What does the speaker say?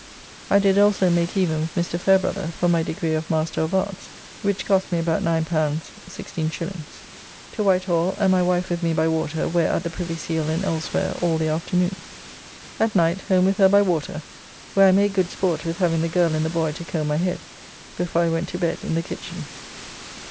I did also make even with Mr. Fairbrother for my degree of Master of Arts, which cost me about L9 16s. To White Hall, and my wife with me by water, where at the Privy Seal and elsewhere all the afternoon. At night home with her by water, where I made good sport with having the girl and the boy to comb my head, before I went to bed, in the kitchen.